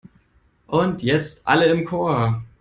Und jetzt alle im Chor!